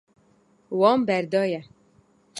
Wan berdaye.